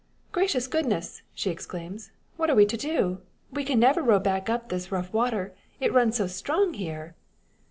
"Gracious goodness!" she exclaims, "what are we to do? We can never row back up this rough water it runs so strong here!"